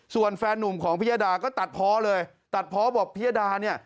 ส่วนแฟนนุ่มของพิยดาก็ตัดเพาะเลยตัดเพาะบอกพิยดาเนี่ย